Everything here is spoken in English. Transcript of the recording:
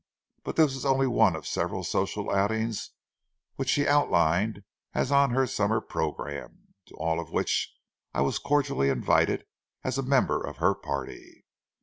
But this was only one of several social outings which she outlined as on her summer programme, to all of which I was cordially invited as a member of her party.